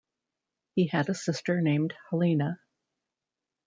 He had a sister named Helena.